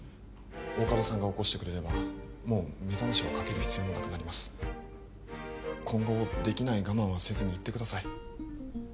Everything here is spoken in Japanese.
大加戸さんが起こしてくれればもう目覚ましをかける必要もなくなります今後できない我慢はせずに言ってください